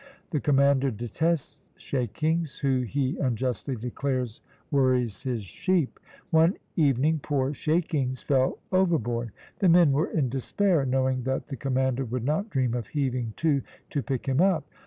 The commander detests Shakings, who he unjustly declares worries his sheep. One evening poor Shakings fell overboard. The men were in despair, knowing that the commander would not dream of heaving to to pick him up.